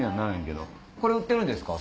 これ売ってるんですか？